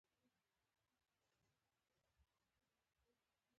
غریب د امید نغمه ده